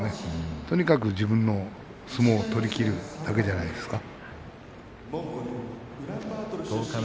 とにかく自分の相撲を取りきるだけじゃないですか。